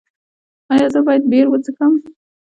ایا زه باید بیر وڅښم؟